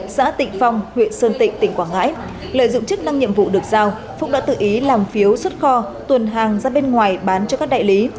xã tịnh phong huyện sơn tịnh tỉnh quảng ngãi lợi dụng chức năng nhiệm vụ được giao phúc đã tự ý làm phiếu xuất kho tuần hàng ra bên ngoài bán cho các đại lý